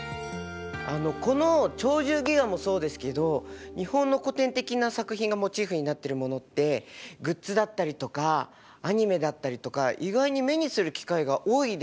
この「鳥獣戯画」もそうですけど日本の古典的な作品がモチーフになってるものってグッズだったりとかアニメだったりとか意外に目にする機会が多いですよね。